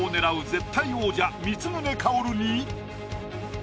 絶対王者光宗薫に。